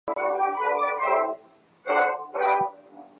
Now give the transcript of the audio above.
应用社会学研究社会各种领域。